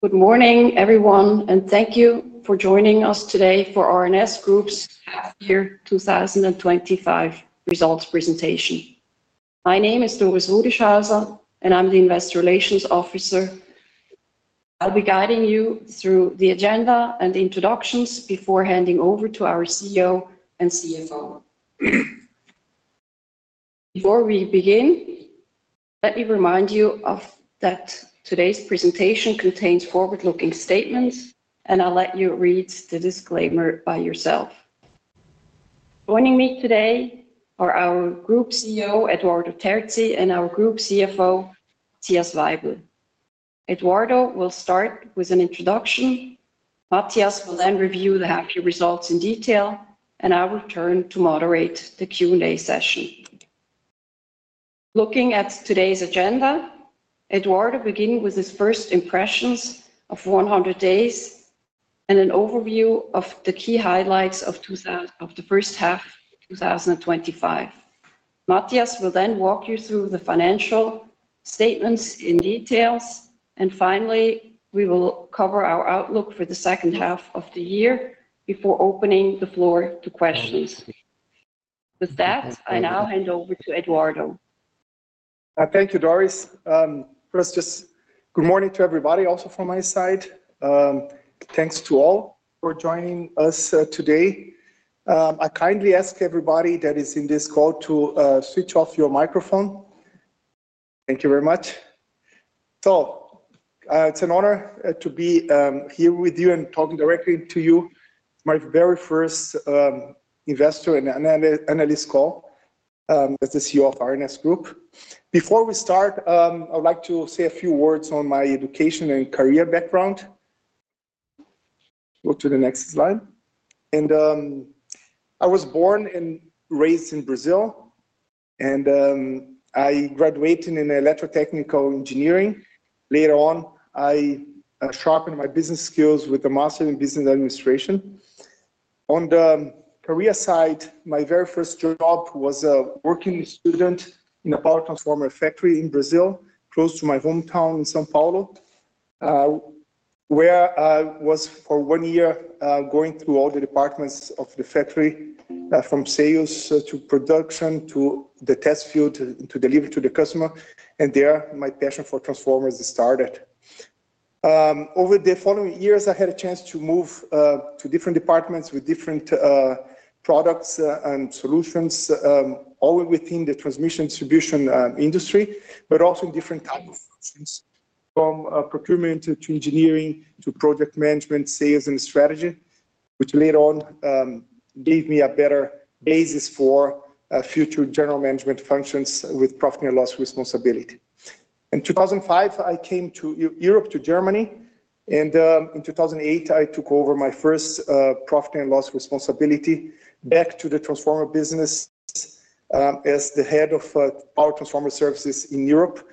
Good morning, everyone, and thank you for joining us today for R&S Group's Half Year 2025 results presentation. My name is Doris Rüdeshauser, and I'm the Investor Relations Officer. I'll be guiding you through the agenda and introductions before handing over to our CEO and CFO. Before we begin, let me remind you that today's presentation contains forward-looking statements, and I'll let you read the disclaimer by yourself. Joining me today are our Group CEO, Eduardo Terzi, and our Group CFO, Matthias Weibel. Eduardo will start with an introduction. Matthias will then review the half-year results in detail, and I will turn to moderate the Q&A session. Looking at today's agenda, Eduardo will begin with his first impressions of 100 days and an overview of the key highlights of the first half of 2025. Matthias will then walk you through the financial statements in detail, and finally, we will cover our outlook for the second half of the year before opening the floor to questions. With that, I now hand over to Eduardo. Thank you, Doris. First, just good morning to everybody, also from my side. Thanks to all for joining us today. I kindly ask everybody that is in this call to switch off your microphone. Thank you very much. It's an honor to be here with you and talking directly to you, my very first investor and analyst call as the CEO of R&S Group. Before we start, I would like to say a few words on my education and career background. Go to the next slide. I was born and raised in Brazil, and I graduated in electrical engineering. Later on, I sharpened my business skills with a master's in business administration. On the career side, my very first job was working as a student in a power transformer factory in Brazil, close to my hometown in São Paulo, where I was for one year going through all the departments of the factory, from sales to production to the test field to deliver to the customer. There, my passion for transformers started. Over the following years, I had a chance to move to different departments with different products and solutions, all within the transmission distribution industry, but also in different types of functions, from procurement to engineering to project management, sales, and strategy, which later on gave me a better basis for future general management functions with profit and loss responsibility. In 2005, I came to Europe, to Germany, and in 2008, I took over my first profit and loss responsibility back to the transformer business as the Head of Power Transformer Services in Europe,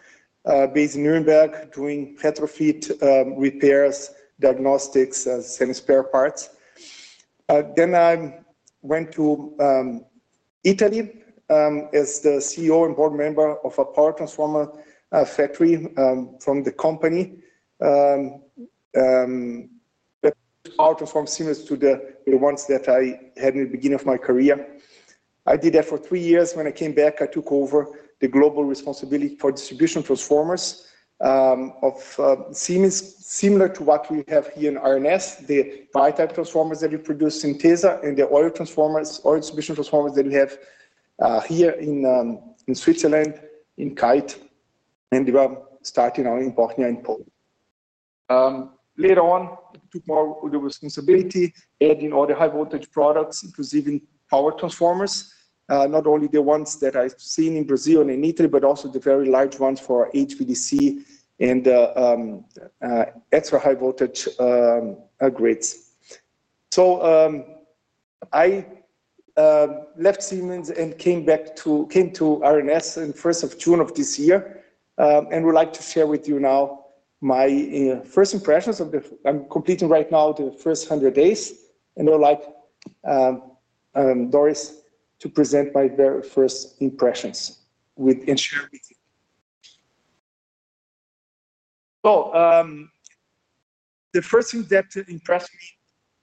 based in Nuremberg, doing retrofit repairs, diagnostics, and semi-spare parts. I went to Italy as the CEO and board member of a power transformer factory from the company. Power transformers similar to the ones that I had in the beginning of my career. I did that for three years. When I came back, I took over the global responsibility for distribution transformers of Siemens, similar to what we have here in R&S Group, the dry-type transformers that we produce in Tesa, and the oil distribution transformers that we have here in Switzerland, in Kite, and starting now in Bosnia and Poland. Later on, I took more of the responsibility, adding all the high-voltage products, including power transformers, not only the ones that I've seen in Brazil and in Italy, but also the very large ones for HVDC and extra high-voltage upgrades. I left Siemens and came back to R&S Group on the 1st of June of this year, and I would like to share with you now my first impressions. I'm completing right now the first 100 days, and I would like Doris to present my very first impressions and share with you. The first thing that impressed me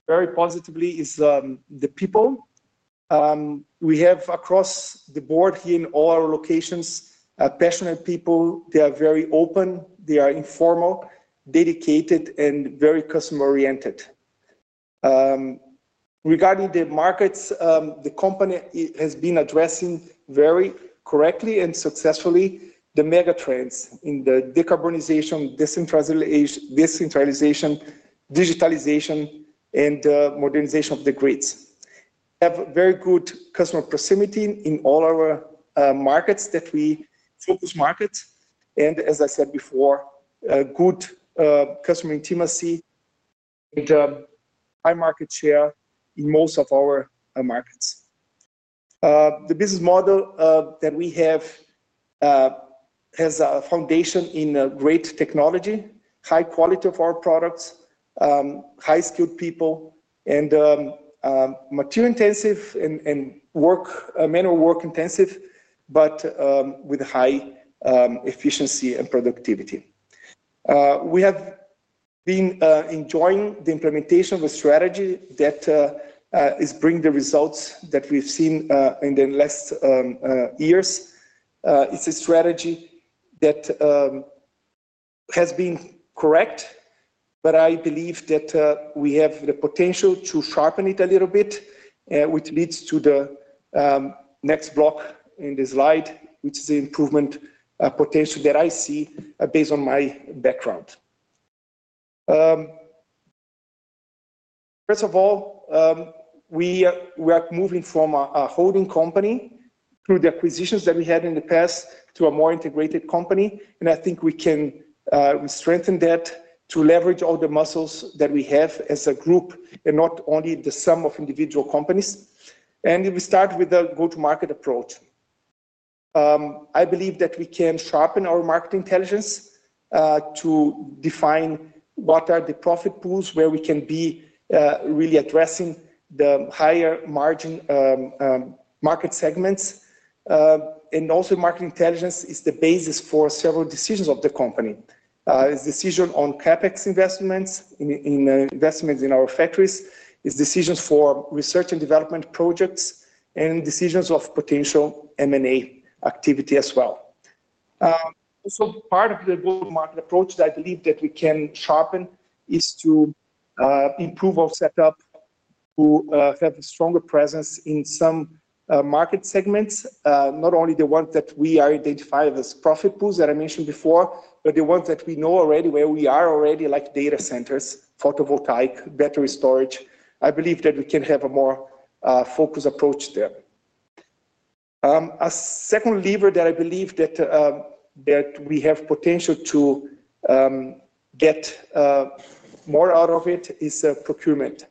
very positively is the people. We have across the board here in all our locations, passionate people. They are very open, they are informal, dedicated, and very customer-oriented. Regarding the markets, the company has been addressing very correctly and successfully the megatrends in the decarbonization, decentralization, digitalization, and modernization of the grids. We have very good customer proximity in all our markets that we focus on. As I said before, good customer intimacy and high market share in most of our markets. The business model that we have has a foundation in great technology, high quality of our products, high-skilled people, and material intensive and manual work intensive, but with high efficiency and productivity. We have been enjoying the implementation of a strategy that is bringing the results that we've seen in the last years. It's a strategy that has been correct, but I believe that we have the potential to sharpen it a little bit, which leads to the next block in the slide, which is the improvement potential that I see based on my background. First of all, we are moving from a holding company through the acquisitions that we had in the past to a more integrated company, and I think we can strengthen that to leverage all the muscles that we have as a group and not only the sum of individual companies. We start with a go-to-market approach. I believe that we can sharpen our market intelligence to define what are the profit pools where we can be really addressing the higher margin market segments. Also, market intelligence is the basis for several decisions of the company. It's a decision on CapEx investments, investments in our factories, it's decisions for research and development projects, and decisions of potential M&A activity as well. Part of the go-to-market approach that I believe that we can sharpen is to improve our setup to have a stronger presence in some market segments, not only the ones that we identify as profit pools that I mentioned before, but the ones that we know already, where we are already, like data centers, photovoltaics, battery storage. I believe that we can have a more focused approach there. A second lever that I believe that we have potential to get more out of is procurement.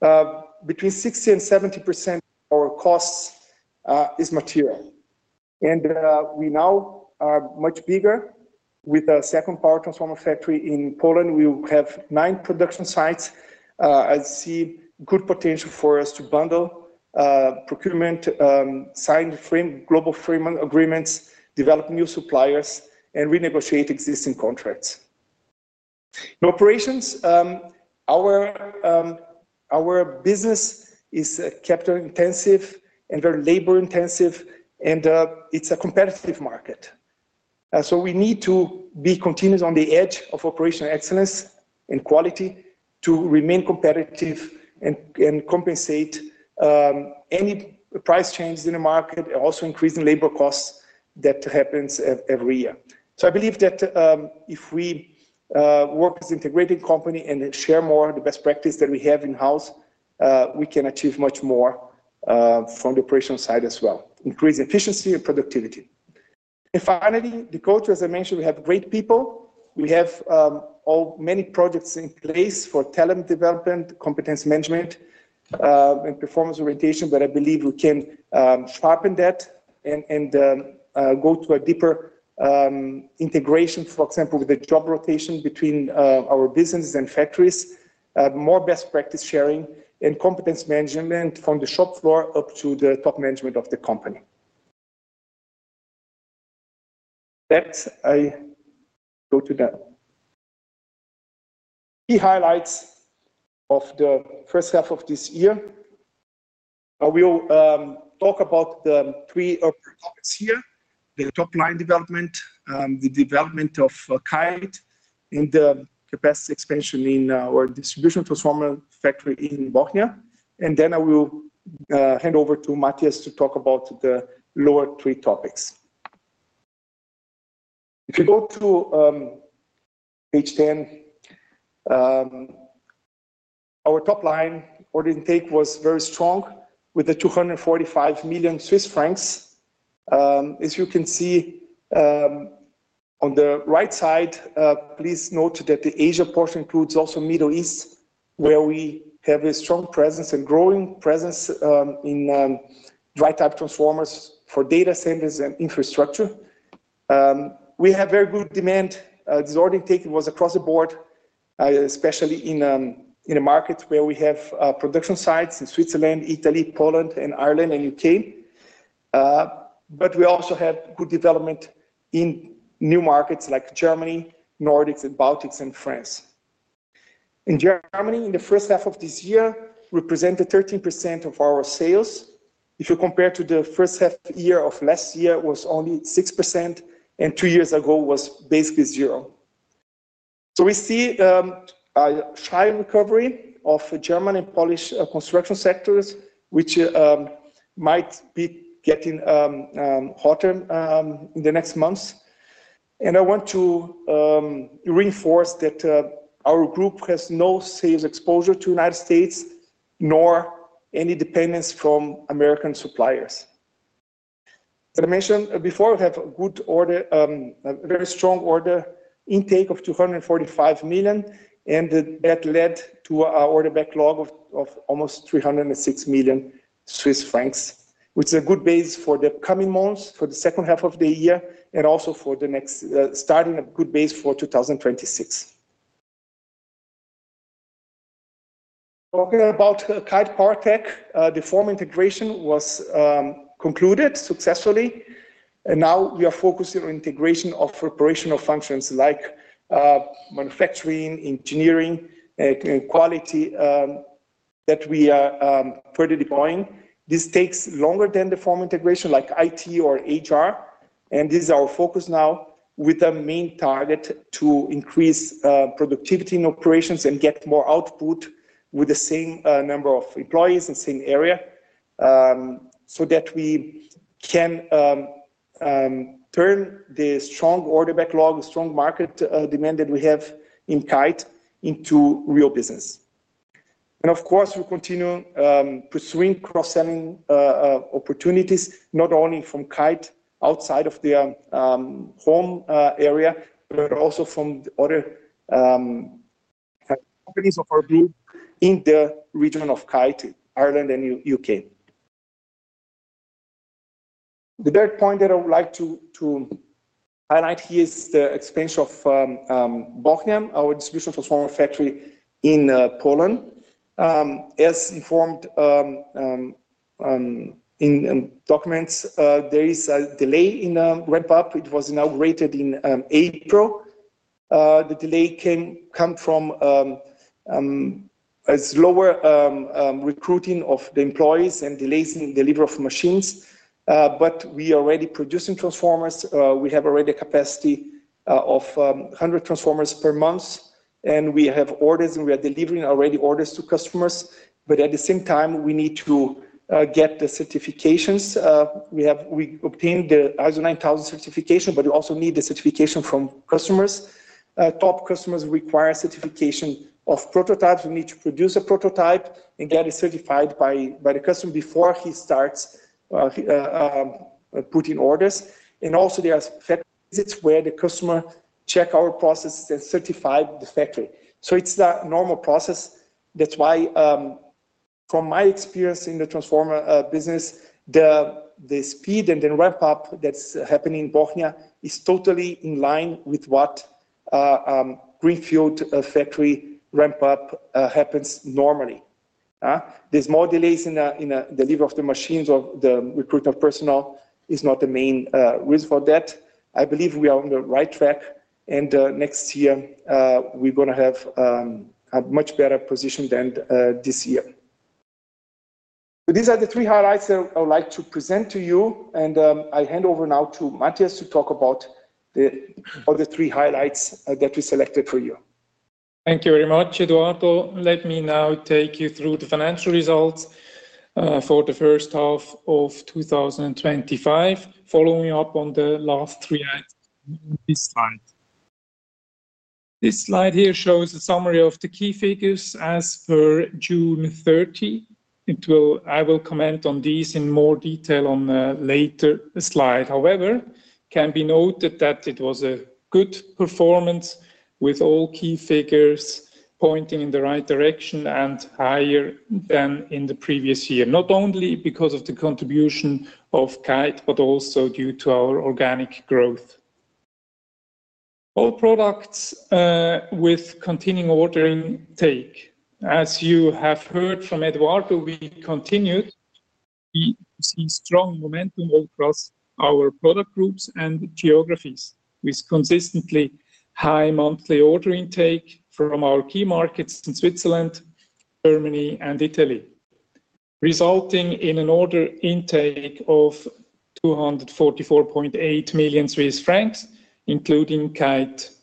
Between 60% and 70% of our costs is material. We now are much bigger with a second power transformer factory in Poland. We have nine production sites. I see good potential for us to bundle procurement, sign global agreements, develop new suppliers, and renegotiate existing contracts. In operations, our business is capital intensive and very labor intensive, and it's a competitive market. We need to be continuous on the edge of operational excellence and quality to remain competitive and compensate any price changes in the market and also increase in labor costs that happen every year. I believe that if we work as an integrated company and share more of the best practice that we have in-house, we can achieve much more from the operational side as well, increase efficiency and productivity. Finally, the culture, as I mentioned, we have great people. We have many projects in place for talent development, competence management, and performance orientation that I believe we can sharpen and go to a deeper integration, for example, with the job rotation between our businesses and factories, more best practice sharing, and competence management from the shop floor up to the top management of the company. That, I go to the key highlights of the first half of this year. I will talk about the three topics here: the top line development, the development of Kite, and the capacity expansion in our distribution transformer factory in Bosnia. I will hand over to Matthias to talk about the lower three topics. If you go to page 10, our top line for the intake was very strong with the 245 million Swiss francs. As you can see on the right side, please note that the Asia portion includes also the Middle East, where we have a strong presence and growing presence in right-up transformers for data centers and infrastructure. We have very good demand. The exorbitant intake was across the board, especially in the markets where we have production sites in Switzerland, Italy, Poland, Ireland, and the UK. We also have good development in new markets like Germany, Nordics, Baltics, and France. In Germany, in the first half of this year, we represented 13% of our sales. If you compare to the first half year of last year, it was only 6%, and two years ago was basically zero. We see a shy recovery of German and Polish construction sectors, which might be getting hotter in the next months. I want to reinforce that our group has no sales exposure to the U.S., nor any dependence from American suppliers. As I mentioned before, we have a good order, a very strong order intake of 245 million, and that led to an order backlog of almost 306 million Swiss francs, which is a good base for the upcoming months, for the second half of the year, and also for the next, starting a good base for 2026. Talking about Kite PowerTech, the form integration was concluded successfully, and now we are focusing on integration of operational functions like manufacturing, engineering, and quality that we are further deploying. This takes longer than the form integration like IT or HR, and this is our focus now with a main target to increase productivity in operations and get more output with the same number of employees in the same area so that we can turn the strong order backlog, strong market demand that we have in Kite into real business. Of course, we continue pursuing cross-selling opportunities, not only from Kite outside of the home area, but also from the other companies of our group in the region of Kite, Ireland, and the UK. The third point that I would like to highlight here is the expansion of Bosnian, our distribution transformer factory in Poland. As informed in documents, there is a delay in the ramp-up. It was now rated in April. The delay came from a slower recruiting of the employees and delays in the delivery of machines. We are already producing transformers. We have already a capacity of 100 transformers per month, and we have orders, and we are delivering already orders to customers. At the same time, we need to get the certifications. We obtained the ISO 9000 certification, but we also need the certification from customers. Top customers require certification of prototypes. We need to produce a prototype and get it certified by the customer before he starts putting orders. There are factory visits where the customer checks our processes and certifies the factory. It's the normal process. That's why, from my experience in the transformer business, the speed and the ramp-up that's happening in Bosnia is totally in line with what Greenfield factory ramp-up happens normally. There are more delays in the delivery of the machines or the recruitment of personnel. It's not the main reason for that. I believe we are on the right track, and next year, we're going to have a much better position than this year. These are the three highlights that I would like to present to you, and I hand over now to Matthias to talk about the other three highlights that we selected for you. Thank you very much, Eduardo. Let me now take you through the financial results for the first half of 2025, following up on the last three slides. This slide here shows a summary of the key figures as per June 30. I will comment on these in more detail on a later slide. However, it can be noted that it was a good performance with all key figures pointing in the right direction and higher than in the previous year, not only because of the contribution of Kite PowerTech, but also due to our organic growth. All products with continuing order intake. As you have heard from Eduardo, we continued to see strong momentum across our product groups and geographies with consistently high monthly order intake from our key markets in Switzerland, Germany, and Italy, resulting in an order intake of 244.8 million Swiss francs, including Kite PowerTech.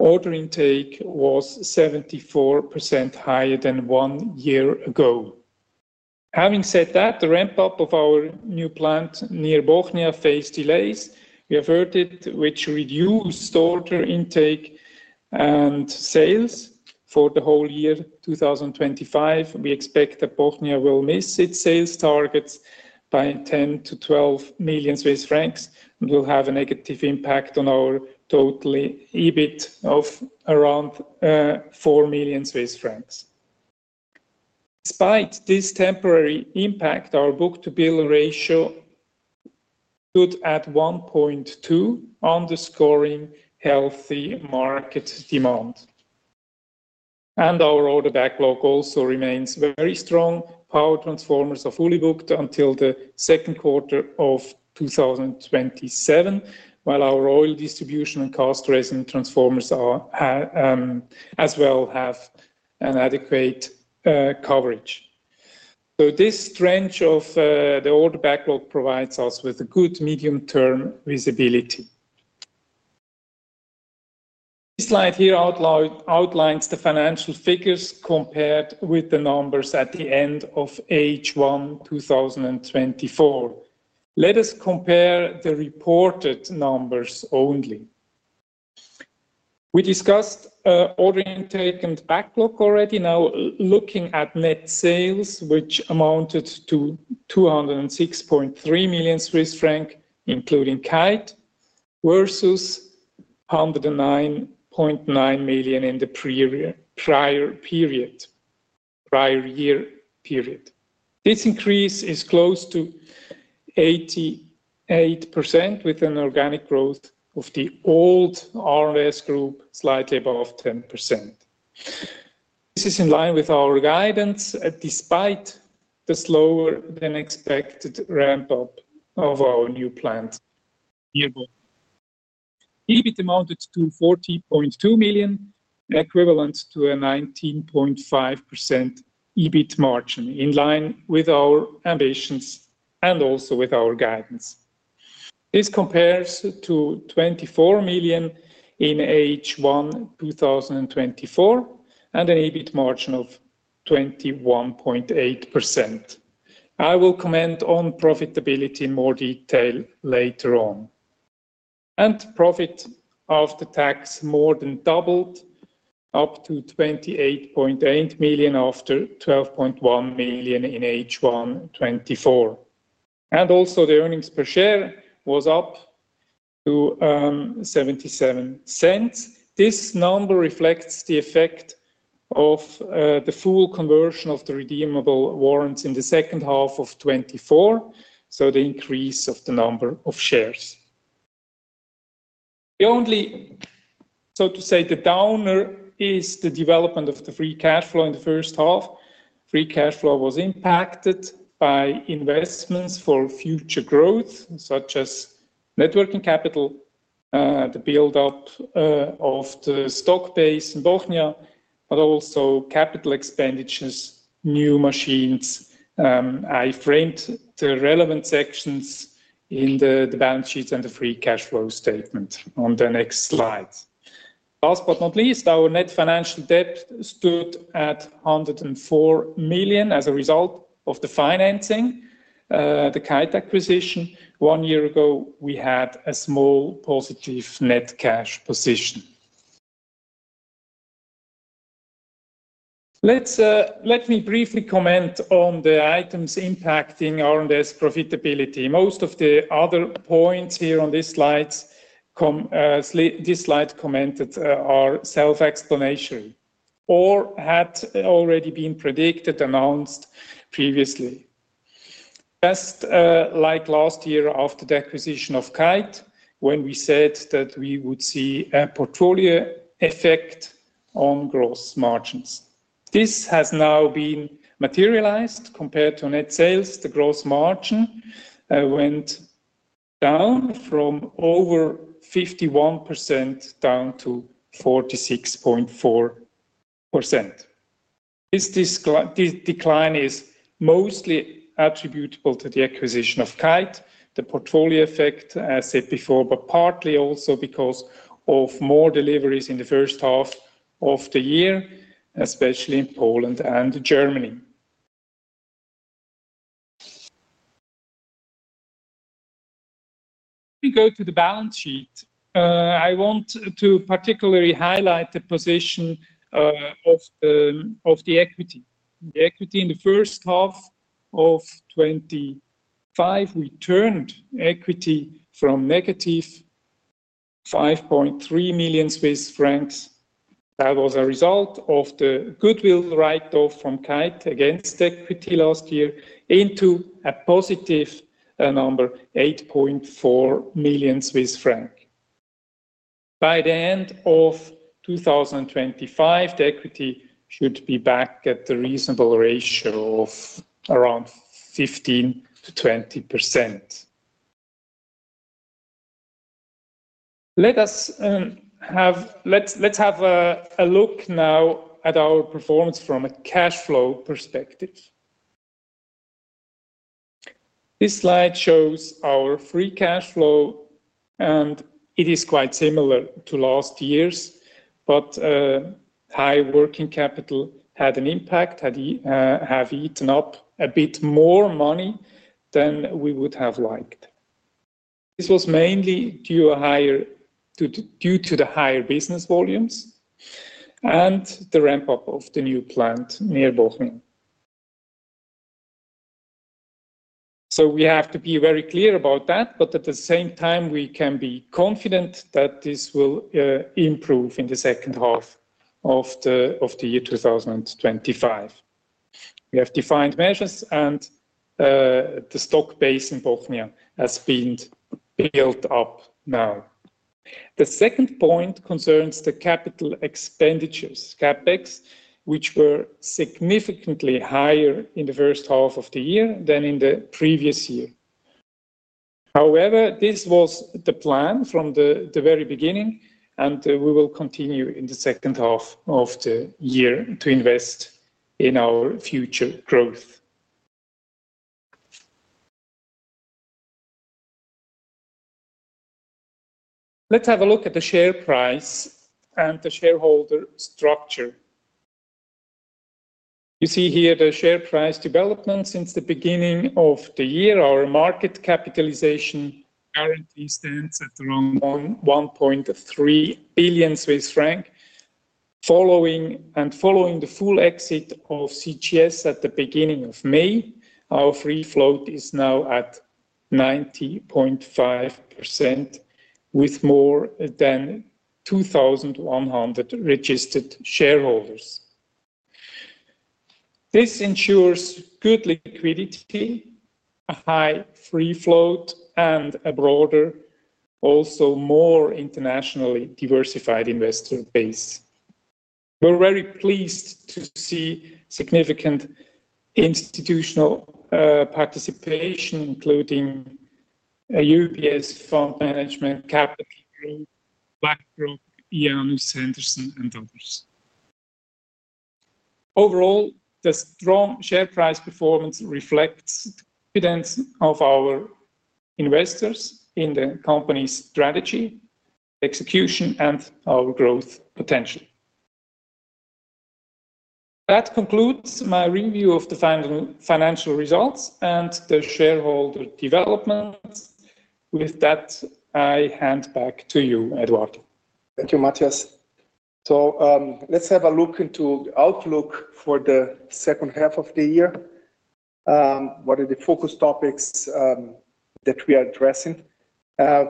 Order intake was 74% higher than one year ago. Having said that, the ramp-up of our new plant near Bosnia faced delays, which reduced order intake and sales for the whole year 2025. We expect that Bosnia will miss its sales targets by 10 to 12 million and will have a negative impact on our total EBIT of around 4 million Swiss francs. Despite this temporary impact, our book-to-bill ratio stood at 1.2, underscoring healthy market demand. Our order backlog also remains very strong. Power transformers are fully booked until the second quarter of 2027, while our oil distribution and cast resin transformers as well have an adequate coverage. This strength of the order backlog provides us with a good medium-term visibility. This slide here outlines the financial figures compared with the numbers at the end of H1 2024. Let us compare the reported numbers only. We discussed order intake and backlog already. Now looking at net sales, which amounted to 206.3 million Swiss franc, including Kite PowerTech, versus 109.9 million in the prior year period. This increase is close to 88% with an organic growth of the old R&S Group slightly above 10%. This is in line with our guidance despite the slower than expected ramp-up of our new plant. EBIT amounted to 40.2 million, equivalent to a 19.5% EBIT margin in line with our ambitions and also with our guidance. This compares to $24 million in H1 2024 and an EBIT margin of 21.8%. I will comment on profitability in more detail later on. Profit after tax more than doubled, up to $28.8 million after $12.1 million in H1 2024. Earnings per share was up to $0.77. This number reflects the effect of the full conversion of the redeemable warrants in the second half of 2024, so the increase of the number of shares. The only, so to say, the downer is the development of the free cash flow in the first half. Free cash flow was impacted by investments for future growth, such as working capital, the build-up of the stock base in Bosnia, but also capital expenditures, new machines. I framed the relevant sections in the balance sheet and the free cash flow statement on the next slide. Last but not least, our net financial debt stood at $104 million as a result of the financing, the Kite PowerTech acquisition. One year ago, we had a small positive net cash position. Let me briefly comment on the items impacting R&S Group profitability. Most of the other points here on this slide commented are self-explanatory or had already been predicted and announced previously. Just like last year after the acquisition of Kite PowerTech, when we said that we would see a portfolio effect on gross margins. This has now been materialized compared to net sales. The gross margin went down from over 51% down to 46.4%. This decline is mostly attributable to the acquisition of Kite PowerTech, the portfolio effect, as I said before, but partly also because of more deliveries in the first half of the year, especially in Poland and Germany. If we go to the balance sheet, I want to particularly highlight the position of the equity. The equity in the first half of 2025, we turned equity from negative $5.3 million Swiss francs that was a result of the goodwill write-off from Kite PowerTech against equity last year into a positive number, $8.4 million Swiss francs. By the end of 2025, the equity should be back at a reasonable ratio of around 15% to 20%. Let's have a look now at our performance from a cash flow perspective. This slide shows our free cash flow, and it is quite similar to last year's, but high working capital had an impact. I have eaten up a bit more money than we would have liked. This was mainly due to the higher business volumes and the ramp-up of the new plant near Bosnia. We have to be very clear about that, but at the same time, we can be confident that this will improve in the second half of the year 2025. We have defined measures, and the stock base in Bosnia has been built up now. The second point concerns the capital expenditures, CapEx, which were significantly higher in the first half of the year than in the previous year. However, this was the plan from the very beginning, and we will continue in the second half of the year to invest in our future growth. Let's have a look at the share price and the shareholder structure. You see here the share price development since the beginning of the year. Our market capitalization currently stands at around 1.3 billion Swiss franc. Following the full exit of CGS at the beginning of May, our free float is now at 90.5% with more than 2,100 registered shareholders. This ensures good liquidity, a high free float, and a broader, also more internationally diversified investor base. We're very pleased to see significant institutional participation, including UBS Fund Management, Capital Group, BlackRock, IANU, Sanderson, and others. Overall, the strong share price performance reflects the confidence of our investors in the company's strategy, execution, and our growth potential. That concludes my review of the financial results and the shareholder development. With that, I hand back to you, Eduardo. Thank you, Matthias. Let's have a look into the outlook for the second half of the year. What are the focus topics that we are addressing?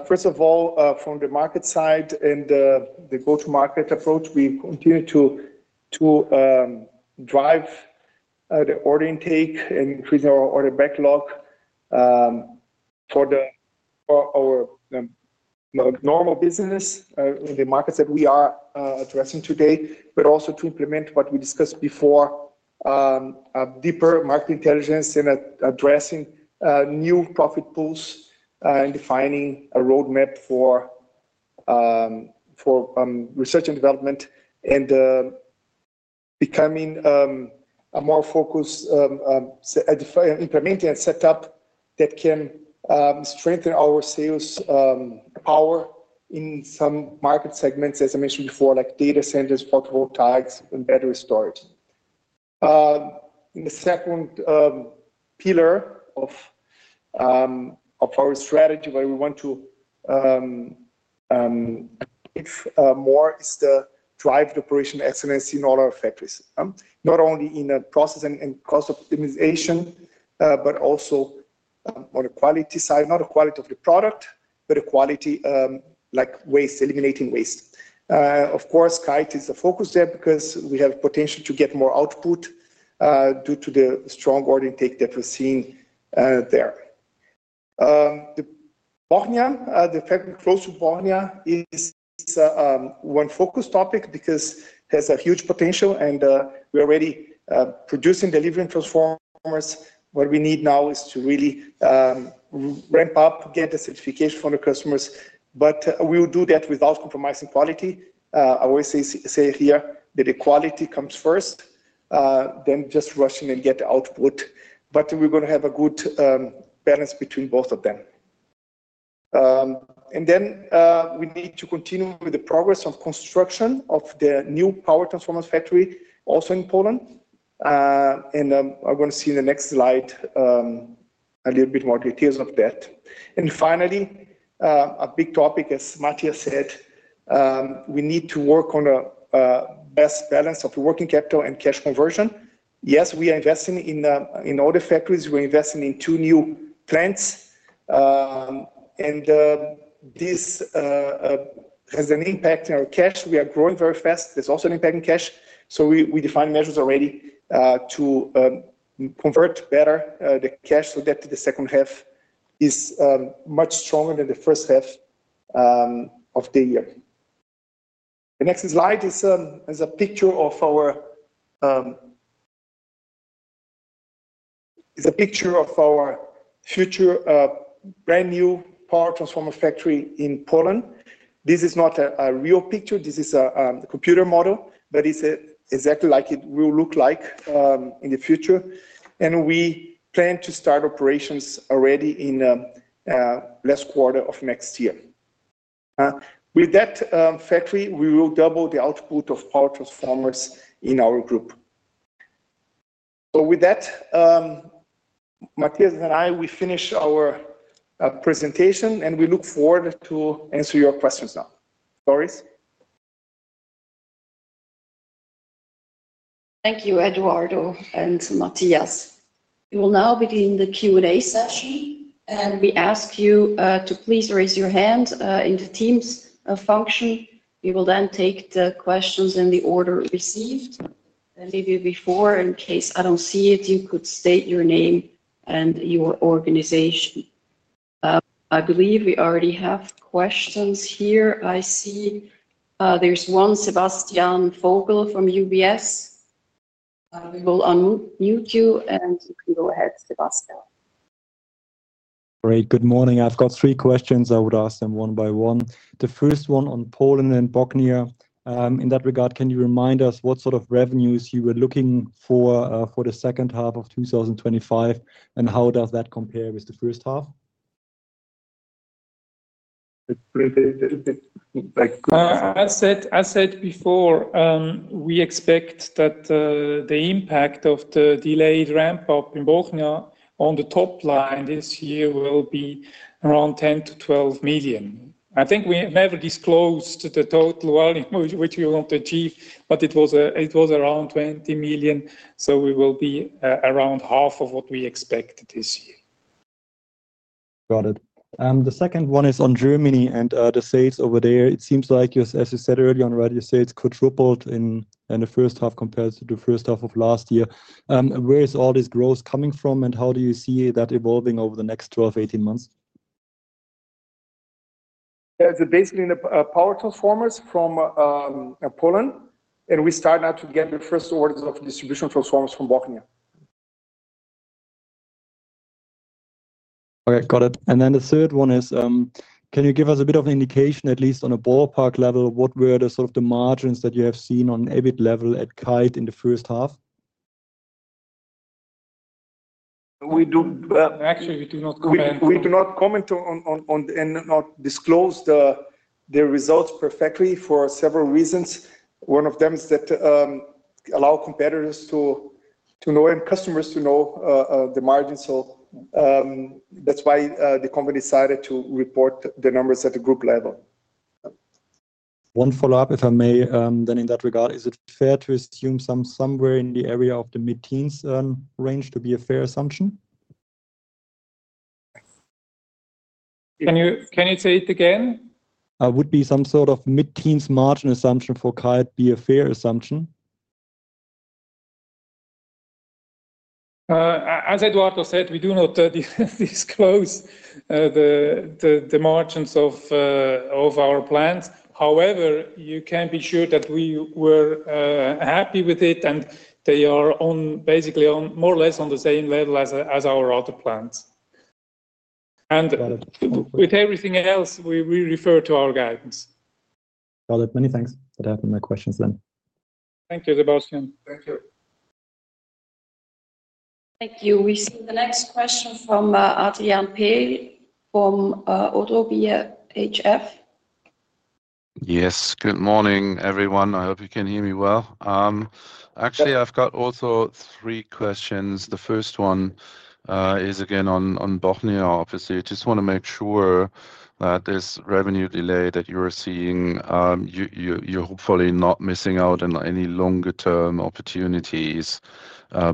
First of all, from the market side and the go-to-market approach, we continue to drive the order intake and increase our order backlog for our normal business in the markets that we are addressing today, but also to implement what we discussed before, a deeper market intelligence and addressing new profit pools and defining a roadmap for research and development and becoming a more focused, implementing a setup that can strengthen our sales power in some market segments, as I mentioned before, like data centers, photovoltaics, and battery storage. In the second pillar of our strategy, where we want to more drive the operational excellence in all our factories, not only in the processing and cost optimization, but also on the quality side, not the quality of the product, but the quality, like waste, eliminating waste. Of course, Kite is a focus there because we have the potential to get more output due to the strong order intake that we're seeing there. The factory close to Bosnia is one focus topic because it has a huge potential, and we're already producing, delivering transformers. What we need now is to really ramp up, get the certification from the customers, but we will do that without compromising quality. I always say here that the quality comes first, then just rush in and get the output. We're going to have a good balance between both of them. We need to continue with the progress on construction of the new power transformer factory, also in Poland. I'm going to see in the next slide a little bit more details of that. Finally, a big topic, as Matthias said, we need to work on the best balance of the working capital and cash conversion. Yes, we are investing in all the factories. We're investing in two new plants, and this has an impact on our cash. We are growing very fast. There's also an impact on cash. We define measures already to convert better the cash so that the second half is much stronger than the first half of the year. The next slide is a picture of our future brand new power transformer factory in Poland. This is not a real picture. This is a computer model, but it's exactly like it will look like in the future. We plan to start operations already in the last quarter of next year. With that factory, we will double the output of power transformers in our group. With that, Matthias and I, we finish our presentation, and we look forward to answering your questions now. Doris? Thank you, Eduardo and Matthias. We will now begin the Q&A session. We ask you to please raise your hand in the Teams function. We will take the questions in the order received. In case I don't see it, you could state your name and your organization. I believe we already have questions here. I see there's one, Sebastian Vogel from UBS Fund Management. We will unmute you and you can go ahead, Sebastian. Great. Good morning. I've got three questions. I would ask them one by one. The first one on Poland and Bosnia. In that regard, can you remind us what sort of revenues you were looking for for the second half of 2025, and how does that compare with the first half? As I said before, we expect that the impact of the delayed ramp-up in Bosnia on the top line this year will be around $10 to $12 million. I think we have never disclosed the total volume, which we want to achieve, but it was around $20 million. We will be around half of what we expected this year. Got it. The second one is on Germany and the sales over there. It seems like, as you said earlier on, your sales quadrupled in the first half compared to the first half of last year. Where is all this growth coming from, and how do you see that evolving over the next 12 to 18 months? Yeah, it's basically power transformers from Poland. We start now to get the first orders of distribution transformers from Bosnia. Okay, got it. The third one is, can you give us a bit of an indication, at least on a ballpark level, what were the sort of the margins that you have seen on EBIT level at Kite in the first half? Actually, we do not comment on and not disclose the results per factory for several reasons. One of them is that it would allow competitors to know and customers to know the margins. That's why the company decided to report the numbers at the group level. One follow-up, if I may, then in that regard, is it fair to assume somewhere in the area of the mid-teens range to be a fair assumption? Can you say it again? Would be some sort of mid-teens margin assumption for Kite be a fair assumption? As Eduardo said, we do not disclose the margins of our plants. However, you can be sure that we were happy with it, and they are basically more or less on the same level as our other plants. With everything else, we refer to our guidance. Got it. Many thanks for that and the questions. Thank you, Sebastian. Thank you. We see the next question from Adrian Pay from Odobia HF. Yes, good morning, everyone. I hope you can hear me well. Actually, I've got also three questions. The first one is again on Bosnia. Obviously, I just want to make sure that this revenue delay that you're seeing, you're hopefully not missing out on any longer-term opportunities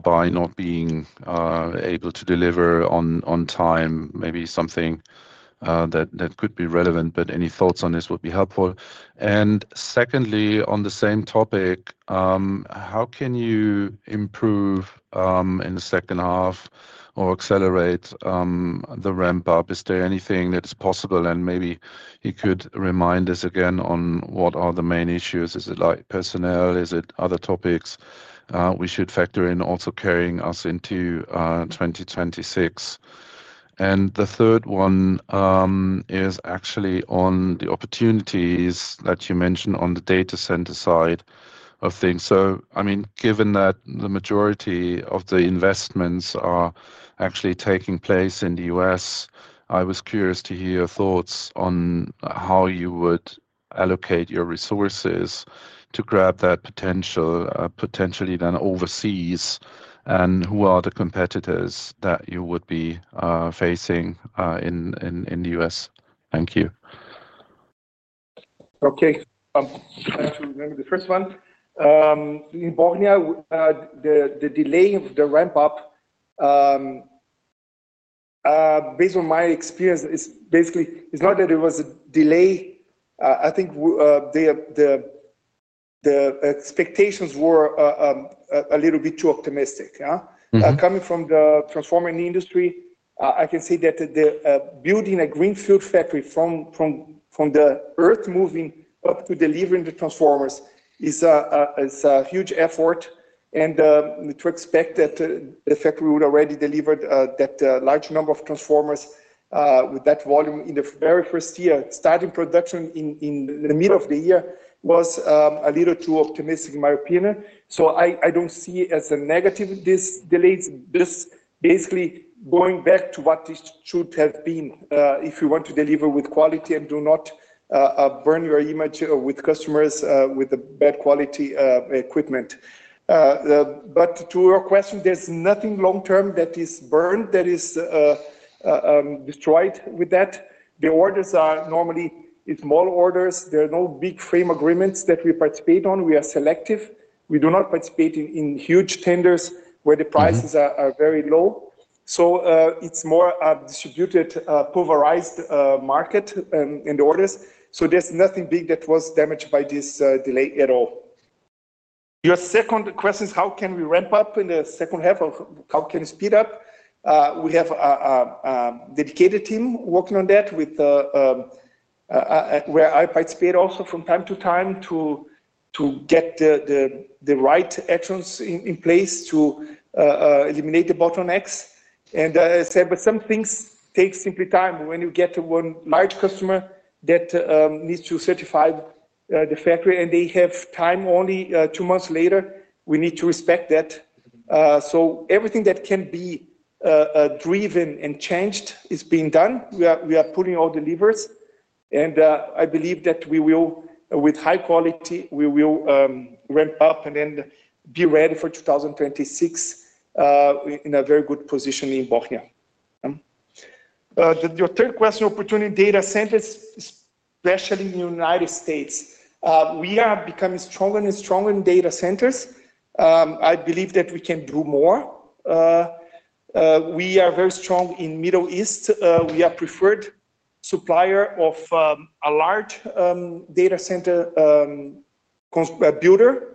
by not being able to deliver on time. Maybe something that could be relevant, but any thoughts on this would be helpful. Secondly, on the same topic, how can you improve in the second half or accelerate the ramp-up? Is there anything that's possible? Maybe you could remind us again on what are the main issues? Is it like personnel? Is it other topics we should factor in also carrying us into 2026? The third one is actually on the opportunities that you mentioned on the data center side of things. I mean, given that the majority of the investments are actually taking place in the U.S., I was curious to hear your thoughts on how you would allocate your resources to grab that potential potentially then overseas, and who are the competitors that you would be facing in the U.S.? Thank you. Okay. Thanks for the first one. In Bosnia, the delay of the ramp-up, based on my experience, it's basically, it's not that there was a delay. I think the expectations were a little bit too optimistic. Coming from the transformer industry, I can say that building a green field factory from the earth moving up to delivering the transformers is a huge effort. To expect that the factory would already deliver that large number of transformers with that volume in the very first year, starting production in the middle of the year, was a little too optimistic in my opinion. I don't see it as a negative. This delay is basically going back to what it should have been if you want to deliver with quality and do not burn your image with customers with bad quality equipment. To your question, there's nothing long-term that is burned, that is destroyed with that. The orders are normally small orders. There are no big frame agreements that we participate on. We are selective. We do not participate in huge tenders where the prices are very low. It's more a distributed pulverized market and orders. There's nothing big that was damaged by this delay at all. Your second question is how can we ramp up in the second half? How can we speed up? We have a dedicated team working on that where I participate also from time to time to get the right actions in place to eliminate the bottlenecks. As I said, some things take simply time. When you get one large customer that needs to certify the factory and they have time only two months later, we need to respect that. Everything that can be driven and changed is being done. We are pulling all the levers. I believe that we will, with high quality, ramp up and then be ready for 2026 in a very good position in Bosnia. Your third question, opportunity data centers, especially in the United States. We are becoming stronger and stronger in data centers. I believe that we can do more. We are very strong in the Middle East. We are a preferred supplier of a large data center builder.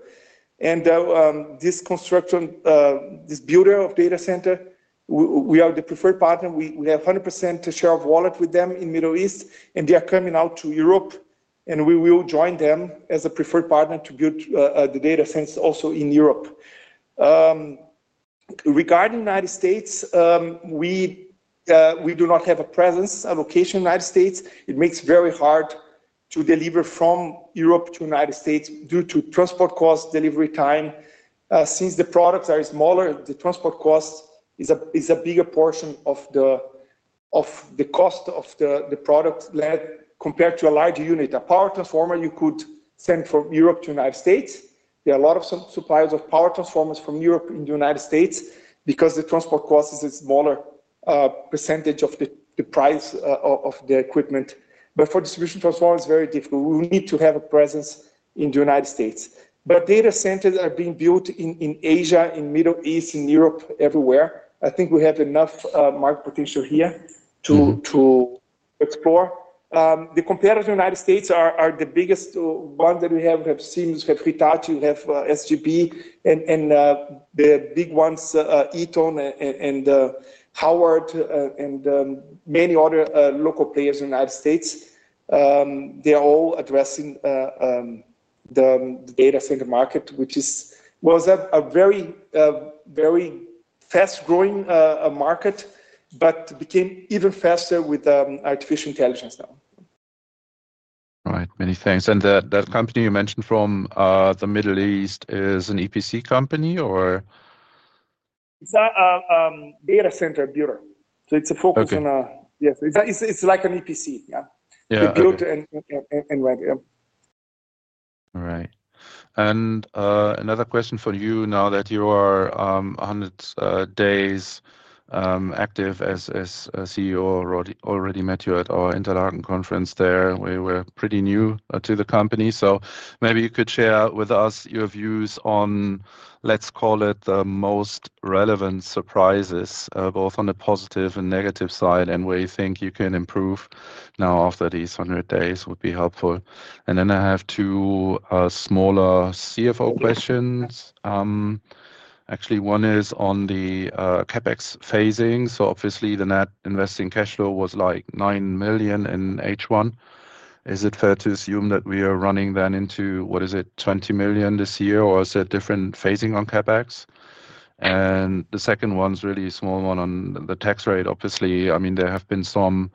This builder of data center, we are the preferred partner. We have 100% share of wallet with them in the Middle East, and they are coming out to Europe. We will join them as a preferred partner to build the data centers also in Europe. Regarding the U.S., we do not have a presence, a location in the United States. It makes it very hard to deliver from Europe to the U.S. due to transport costs and delivery time. Since the products are smaller, the transport cost is a bigger portion of the cost of the product compared to a larger unit. A power transformer you could send from Europe to the U.S. There are a lot of suppliers of power transformers from Europe in the U.S. because the transport cost is a smaller percentage of the price of the equipment. For distribution transformers, it's very difficult. We need to have a presence in the U.S. Data centers are being built in Asia, in the Middle East, in Europe, everywhere. I think we have enough market potential here to explore. The competitors in the U.S. are the biggest ones that we have. We have Siemens, we have Hitachi, we have SGB, and the big ones, Eaton and Howard and many other local players in the U.S. They are all addressing the data center market, which was a very, very fast-growing market, but became even faster with artificial intelligence now. All right. Many thanks. The company you mentioned from the Middle East is an EPC company, or? It's a data center bureau. It's a focus on a, yes, it's like an EPC, yeah. All right. Another question for you now that you are 100 days active as CEO. I already met you at our Interlaken conference there. You were pretty new to the company. Maybe you could share with us your views on, let's call it, the most relevant surprises, both on the positive and negative side, and where you think you can improve now after these 100 days would be helpful. I have two smaller CFO questions. One is on the CapEx phasing. Obviously, the net investing cash flow was like $9 million in H1. Is it fair to assume that we are running then into, what is it, $20 million this year, or is it a different phasing on CapEx? The second one is really a small one on the tax rate, obviously. There have been some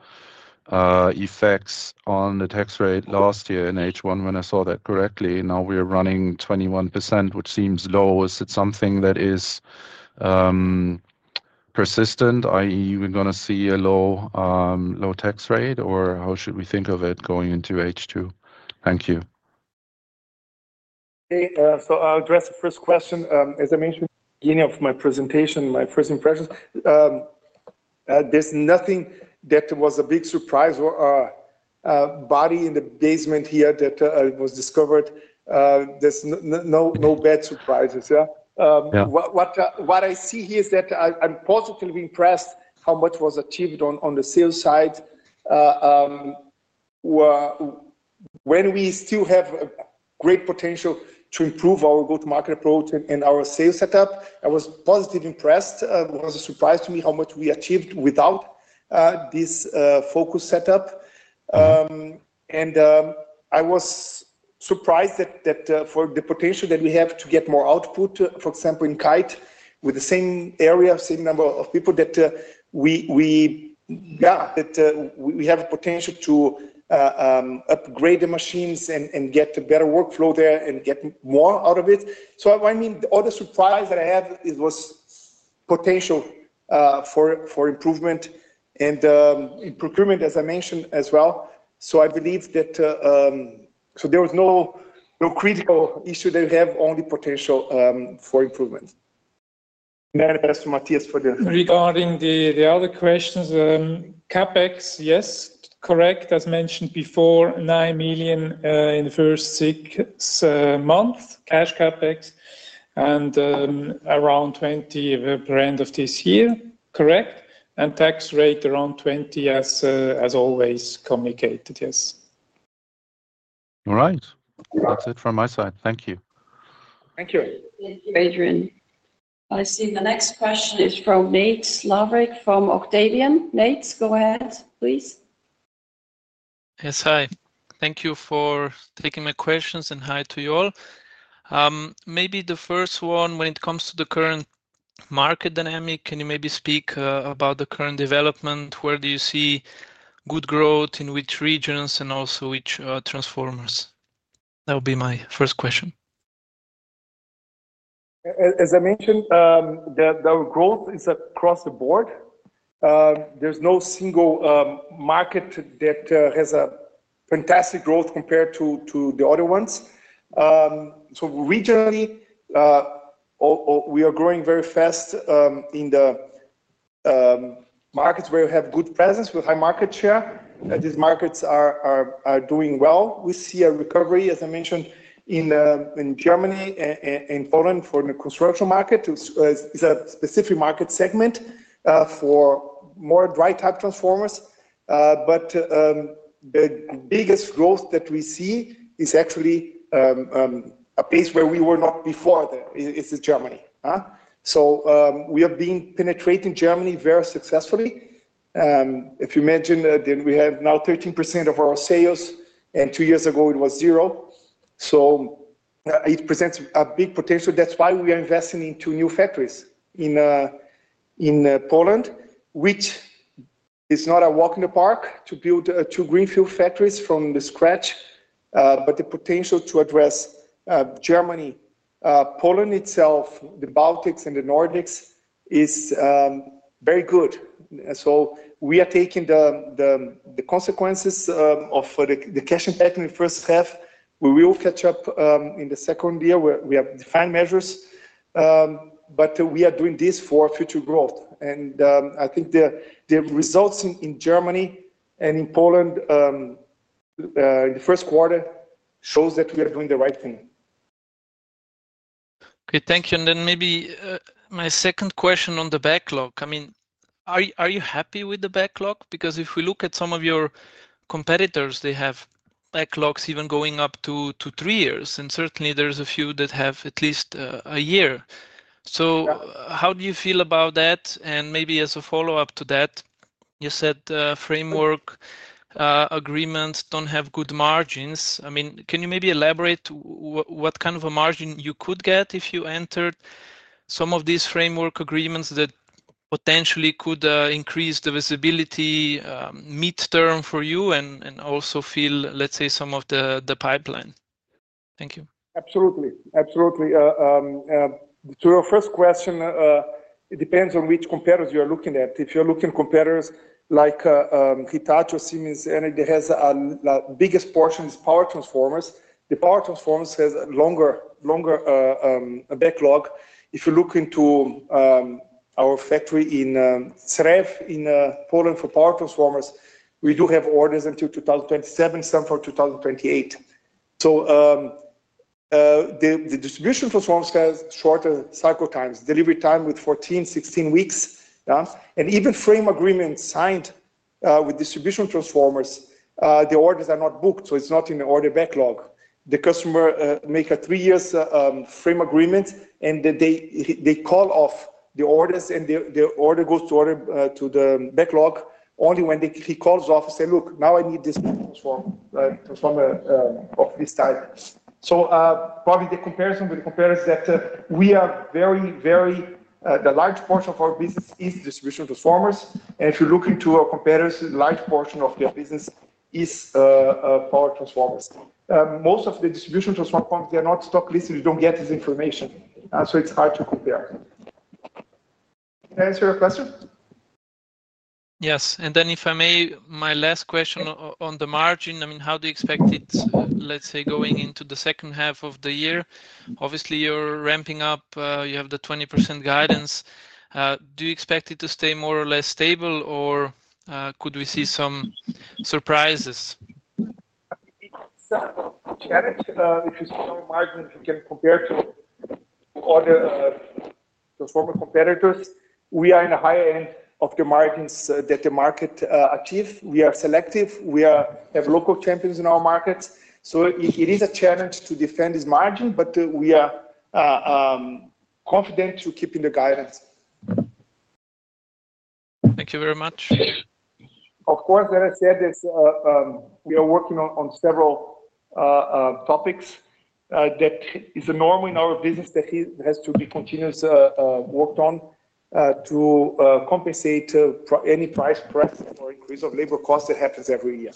effects on the tax rate last year in H1 when I saw that correctly. Now we are running 21%, which seems low. Is it something that is persistent, i.e., we're going to see a low tax rate, or how should we think of it going into H2? Thank you. I'll address the first question. As I mentioned at the beginning of my presentation, my first impressions, there's nothing that was a big surprise or a body in the basement here that was discovered. There's no bad surprises. What I see here is that I'm positively impressed how much was achieved on the sales side. We still have great potential to improve our go-to-market approach and our sales setup. I was positively impressed. It was a surprise to me how much we achieved without this focus setup. I was surprised that for the potential that we have to get more output, for example, in Kite PowerTech with the same area, same number of people, that we have the potential to upgrade the machines and get a better workflow there and get more out of it. The other surprise that I have was potential for improvement in procurement, as I mentioned as well. I believe that there was no critical issue that we have, only potential for improvement. I'll pass to Matthias for the. Regarding the other questions, CapEx, yes, correct. As mentioned before, $9 million in the first six months, cash CapEx, and around $20 million per end of this year, correct? Tax rate around 20% as always communicated, yes. All right. That's it from my side. Thank you. Thank you. Adrian, I see the next question is from Nate Lavrek from Octavian. Nate, go ahead, please. Yes, hi. Thank you for taking my questions and hi to you all. Maybe the first one, when it comes to the current market dynamic, can you maybe speak about the current development? Where do you see good growth in which regions and also which transformers? That would be my first question. As I mentioned, our growth is across the board. There's no single market that has a fantastic growth compared to the other ones. Regionally, we are growing very fast in the markets where you have good presence with high market share. These markets are doing well. We see a recovery, as I mentioned, in Germany and Poland for the construction market. It's a specific market segment for more dry type transformers. The biggest growth that we see is actually a place where we were not before there. It's in Germany. We have been penetrating Germany very successfully. If you imagine, we have now 13% of our sales, and two years ago, it was 0%. It presents a big potential. That is why we are investing in two new factories in Poland, which is not a walk in the park to build two greenfield factories from scratch, but the potential to address Germany, Poland itself, the Baltics, and the Nordics is very good. We are taking the consequences of the cash impact in the first half. We will catch up in the second year where we have defined measures. We are doing this for future growth. I think the results in Germany and in Poland in the first quarter show that we are doing the right thing. Okay, thank you. Maybe my second question on the backlog. Are you happy with the backlog? If we look at some of your competitors, they have backlogs even going up to three years. There are a few that have at least a year. How do you feel about that? Maybe as a follow-up to that, you said framework agreements don't have good margins. Can you maybe elaborate what kind of a margin you could get if you entered some of these framework agreements that potentially could increase the visibility mid-term for you and also fill, let's say, some of the pipeline? Thank you. Absolutely. Absolutely. To your first question, it depends on which competitors you are looking at. If you're looking at competitors like Hitachi or Siemens, and it has the biggest portion is power transformers. The power transformers have a longer backlog. If you look into our factory in CREV in Poland for power transformers, we do have orders until 2027, some for 2028. The distribution transformers have shorter cycle times, delivery time with 14, 16 weeks. Even frame agreements signed with distribution transformers, the orders are not booked. It's not in the order backlog. The customer makes a three-year frame agreement, and they call off the orders, and the order goes to the backlog only when he calls off and says, "Look, now I need this transformer of this type." Probably the comparison with the competitors is that we are very, very, the large portion of our business is distribution transformers. If you look into our competitors, a large portion of their business is power transformers. Most of the distribution transformers, they are not stock listed. You don't get this information. It's hard to compare. Answer your question? Yes. If I may, my last question on the margin, how do you expect it, let's say, going into the second half of the year? Obviously, you're ramping up. You have the 20% guidance. Do you expect it to stay more or less stable, or could we see some surprises? Challenge, if you saw margins, we can compare to other transformer competitors. We are in the higher end of the margins that the market achieves. We are selective. We have local champions in our markets. It is a challenge to defend this margin, but we are confident to keep in the guidance. Thank you very much. Of course, when I said this, we are working on several topics that are normal in our business that have to be continuously worked on to compensate any price press or increase of labor costs that happens every year.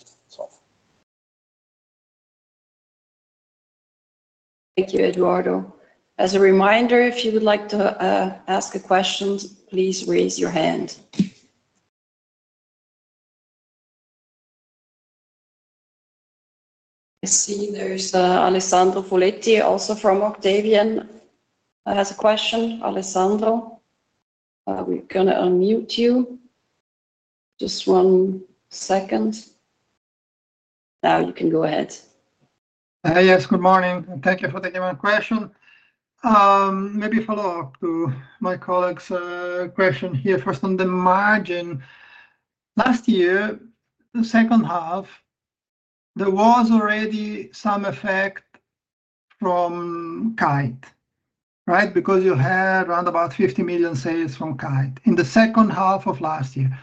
Thank you, Eduardo. As a reminder, if you would like to ask a question, please raise your hand. I see there's Alessandro Foletti also from Octavian. I have a question, Alessandro. We're going to unmute you. Just one second. Now you can go ahead. Yes, good morning. Thank you for the demand question. Maybe follow up to my colleague's question here. First on the margin. Last year, the second half, there was already some effect from Kite PowerTech, right? Because you had around $50 million sales from Kite PowerTech in the second half of last year.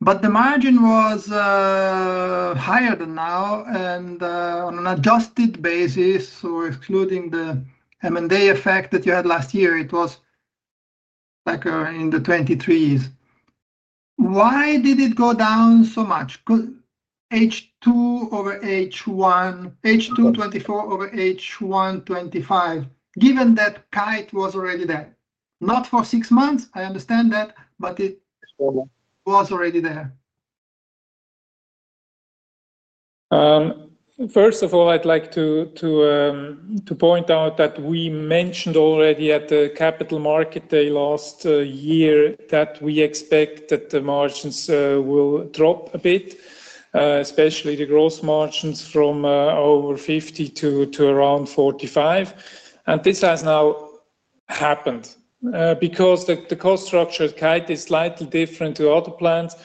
The margin was higher than now. On an adjusted basis, so including the M&A effect that you had last year, it was like in the 23%. Why did it go down so much? H2 over H1, H2 2024 over H1 2025, given that Kite PowerTech was already there. Not for six months. I understand that, but it was already there. First of all, I'd like to point out that we mentioned already at the Capital Market Day last year that we expect that the margins will drop a bit, especially the gross margins from over 50% to around 45%. This has now happened because the cost structure at Kite PowerTech is slightly different to other plants.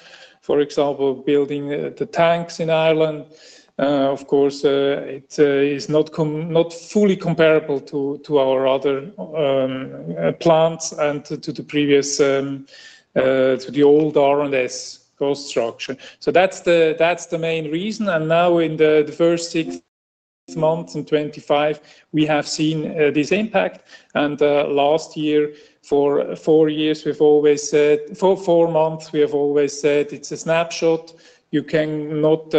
For example, building the tanks in Ireland, of course, it's not fully comparable to our other plants and to the previous, to the old R&S Group cost structure. That's the main reason. Now in the first six months in 2025, we have seen this impact. Last year, for four years, we've always said, for four months, we have always said it's a snapshot. You cannot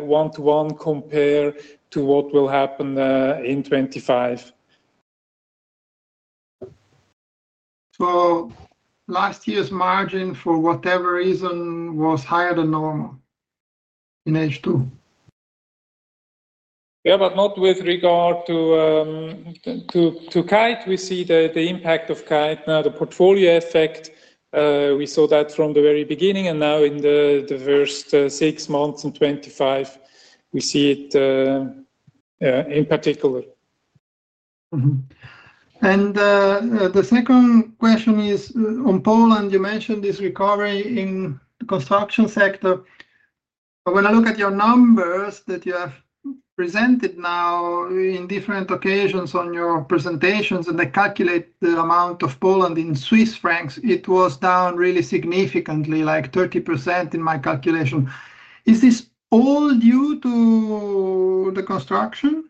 one-to-one compare to what will happen in 2025. Last year's margin, for whatever reason, was higher than normal in H2. Yeah, not with regard to Kite PowerTech. We see the impact of Kite PowerTech now, the portfolio effect. We saw that from the very beginning, and now in the first six months of 2025, we see it in particular. The second question is on Poland. You mentioned this recovery in the construction sector. When I look at your numbers that you have presented now on different occasions in your presentations and calculate the amount of Poland in Swiss francs, it was down really significantly, like 30% in my calculation. Is this all due to the construction?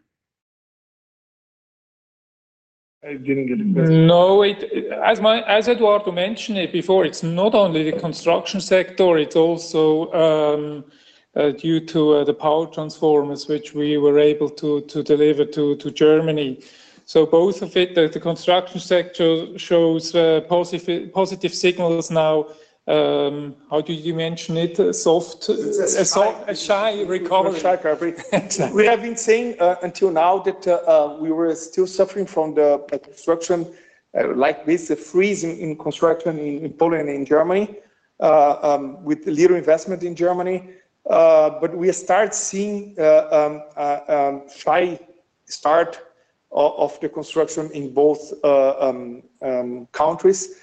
No, as Eduardo mentioned it before, it's not only the construction sector. It's also due to the power transformers, which we were able to deliver to Germany. Both of it, the construction sector shows positive signals now. How do you mention it? A shy recovery. A shy recovery. We have been saying until now that we were still suffering from the construction like this, the freezing in construction in Poland and in Germany, with little investment in Germany. We start seeing a shy start of the construction in both countries.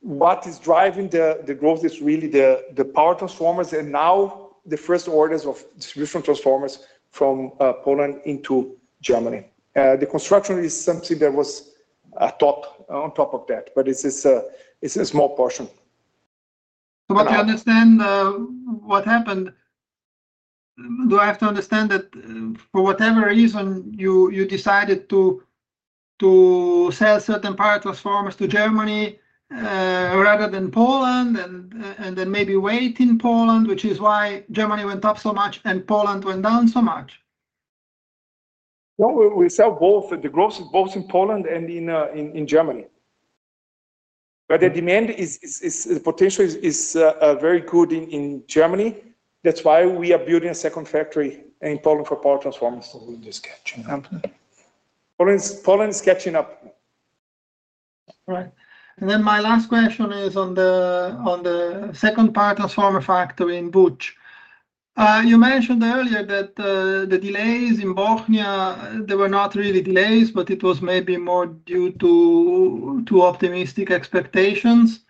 What is driving the growth is really the power transformers and now the first orders of distribution transformers from Poland into Germany. The construction is something that was on top of that, but it's a small portion. Do I have to understand that for whatever reason you decided to sell certain power transformers to Germany rather than Poland and then maybe wait in Poland, which is why Germany went up so much and Poland went down so much? No, we sell both. The growth is both in Poland and in Germany. The demand potential is very good in Germany. That's why we are building a second factory in Poland for power transformers. Poland is catching up. All right. My last question is on the second power transformer factory in Buch. You mentioned earlier that the delays in Bosnia were not really delays, but it was maybe more due to too optimistic expectations.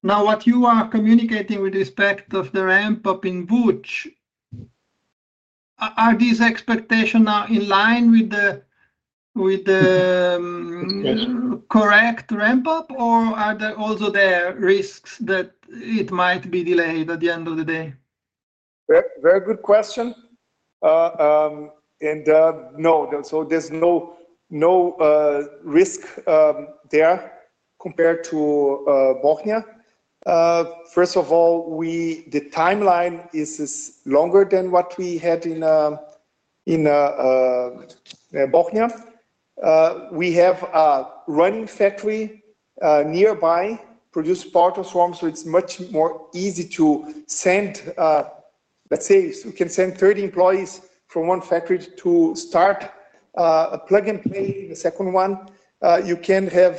What you are communicating with respect to the ramp-up in Buch, are these expectations now in line with the correct ramp-up, or are there also risks that it might be delayed at the end of the day? Very good question. No, there's no risk there compared to Bosnia. First of all, the timeline is longer than what we had in Bosnia. We have a running factory nearby, produce power transformers, so it's much more easy to send, let's say, you can send 30 employees from one factory to start a plug-and-play in the second one. You can have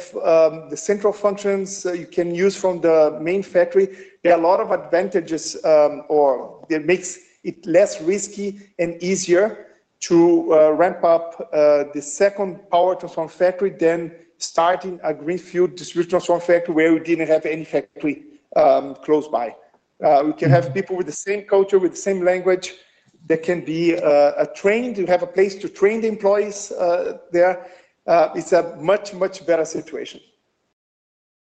the central functions you can use from the main factory. There are a lot of advantages, or it makes it less risky and easier to ramp up the second power transformer factory than starting a greenfield distribution transformer factory where we didn't have any factory close by. We can have people with the same culture, with the same language. They can be trained. You have a place to train the employees there. It's a much, much better situation.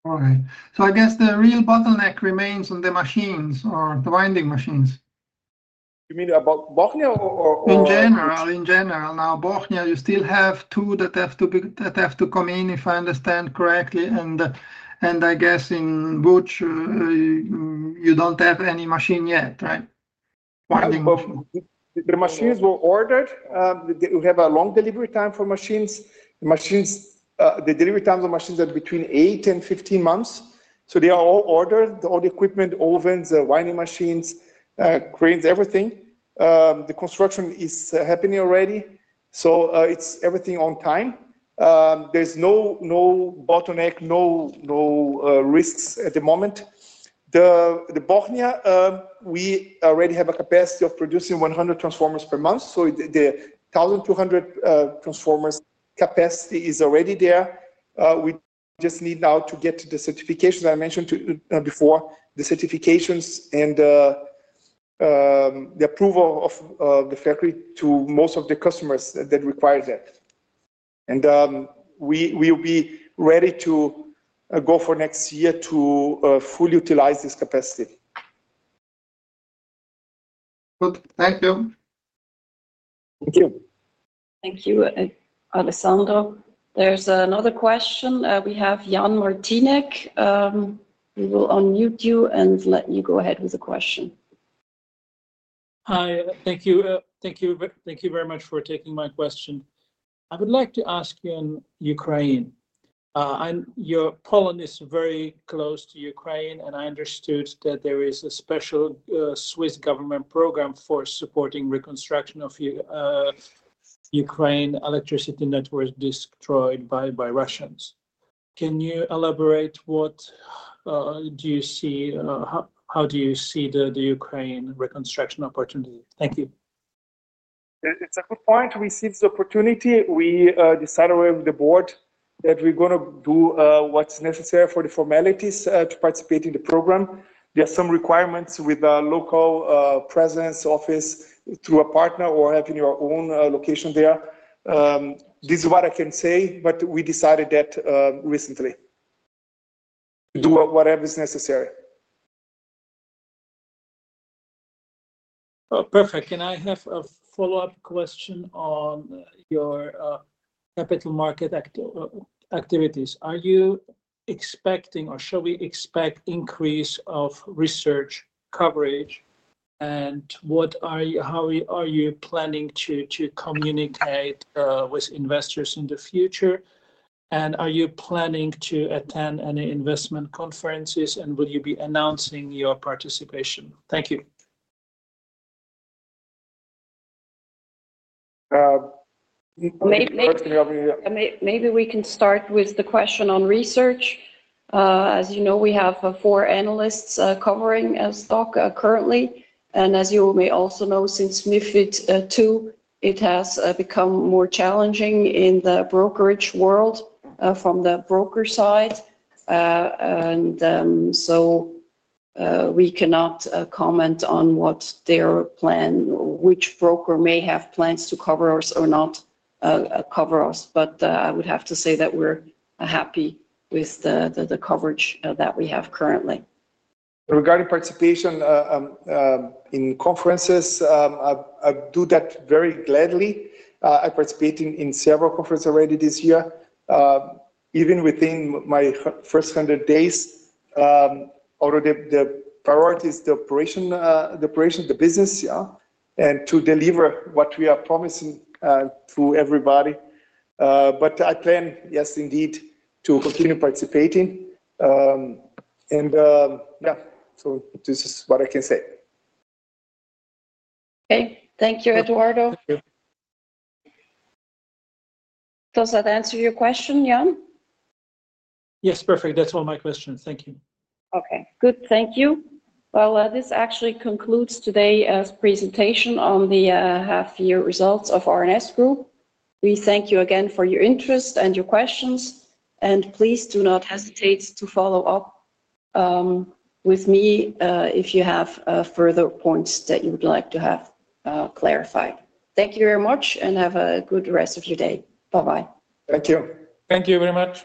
All right. I guess the real bottleneck remains on the machines or the winding machines. You mean about Bosnia? In general, in general. Now, Bosnia, you still have two that have to come in, if I understand correctly. I guess in Buch, you don't have any machine yet, right? The machines were ordered. We have a long delivery time for machines. The delivery times of machines are between 8 and 15 months. They are all ordered, all the equipment, ovens, winding machines, cranes, everything. The construction is happening already. Everything is on time. There's no bottleneck, no risks at the moment. In Bosnia, we already have a capacity of producing 100 transformers per month. The 1,200 transformers capacity is already there. We just need now to get to the certifications I mentioned before, the certifications and the approval of the factory to most of the customers that require that. We will be ready to go for next year to fully utilize this capacity. Thank you. Thank you. Thank you, Alessandro. There's another question. We have Jan Martinek. We will unmute you and let you go ahead with a question. Hi. Thank you. Thank you very much for taking my question. I would like to ask you in Ukraine. Your Poland is very close to Ukraine, and I understood that there is a special Swiss government program for supporting reconstruction of Ukraine electricity network destroyed by Russians. Can you elaborate? What do you see? How do you see the Ukraine reconstruction opportunity? Thank you. It's a good point. We see this opportunity. We decided with the board that we're going to do what's necessary for the formalities to participate in the program. There are some requirements with a local presence, office through a partner, or having your own location there. This is what I can say, but we decided that recently. Do whatever is necessary. Perfect. Can I have a follow-up question on your capital market activities? Are you expecting, or shall we expect, an increase of research coverage? How are you planning to communicate with investors in the future? Are you planning to attend any investment conferences, and will you be announcing your participation? Thank you. Maybe we can start with the question on research. As you know, we have four analysts covering stock currently. As you may also know, since Mifid II, it has become more challenging in the brokerage world from the broker side. We cannot comment on what their plan or which broker may have plans to cover us or not cover us. I would have to say that we're happy with the coverage that we have currently. Regarding participation in conferences, I do that very gladly. I participated in several conferences already this year, even within my first 100 days, out of the priorities, the operation, the business, yeah, and to deliver what we are promising to everybody. I plan, yes, indeed, to continue participating. This is what I can say. Okay. Thank you, Eduardo. Does that answer your question, Jan? Yes, perfect. That's all my questions. Thank you. Good. Thank you. This actually concludes today's presentation on the half-year results of R&S Group. We thank you again for your interest and your questions. Please do not hesitate to follow up with me if you have further points that you would like to have clarified. Thank you very much, and have a good rest of your day. Bye-bye. Thank you. Thank you very much.